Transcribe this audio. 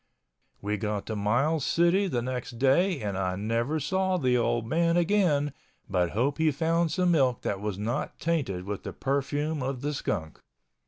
We got to Miles City the next day and I never saw the old man again but hope he found some milk that was not tainted with the perfume of the skunk.